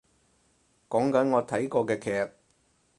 講緊我睇過嘅劇